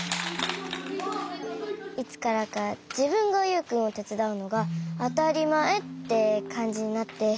いつからかじぶんがユウくんをてつだうのがあたりまえってかんじになって。